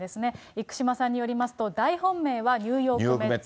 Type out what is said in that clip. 生島さんによりますと、大本命はニューヨークメッツ。